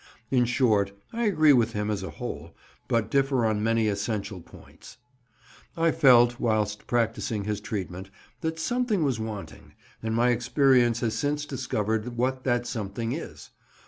In short, I agree with him as a whole, but differ on many essential points. I felt, whilst practising his treatment, that something was wanting, and my experience has since discovered what that something is.